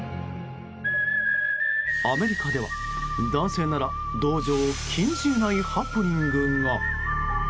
アメリカでは男性なら同情を禁じ得ないハプニングが。